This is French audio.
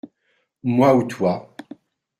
Moi ou toi.